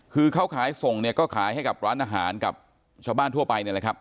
คือเขาขายส่งเนี่ยก็ขายให้กับร้านอาหารกับชาวบ้านทั่วไปเนี่ยแหละครับ